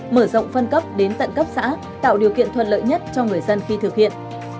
mở rộng phân cấp đến tận cấp xã tạo điều kiện thuận lợi nhất cho người dân khi thực hiện